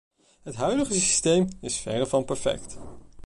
Het huidige systeem is verre van perfect.